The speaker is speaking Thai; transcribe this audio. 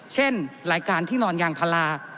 เช่นรายการที่นอนยางพารา